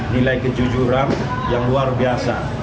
nilai kejujuran yang luar biasa